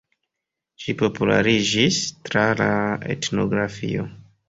Ĝi populariĝis tra la etnografio.